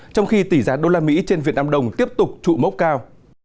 trong khi tỷ giá đô la mỹ trên việt nam đồng tiếp tục trụ mốc cao